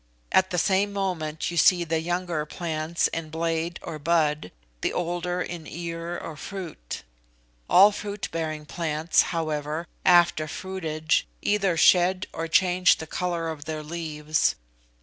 At the same moment you see the younger plants in blade or bud, the older in ear or fruit. All fruit bearing plants, however, after fruitage, either shed or change the colour of their leaves.